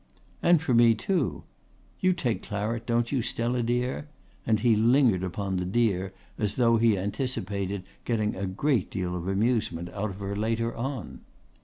"And for me too. You take claret, don't you, Stella dear?" and he lingered upon the "dear" as though he anticipated getting a great deal of amusement out of her later on.